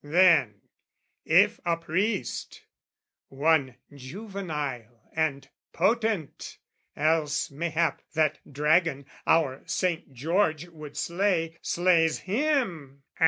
Then, if a priest, One juvenile and potent: else, mayhap, That dragon, our Saint George would slay, slays him.